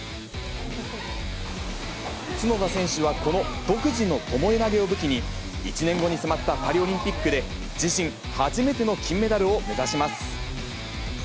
角田選手はこの独自の巴投げを武器に、１年後に迫ったパリオリンピックで、自身初めての金メダルを目指します。